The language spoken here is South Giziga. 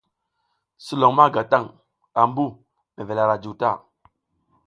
Sulon ma ga taƞ ambu mevel ara juw ta.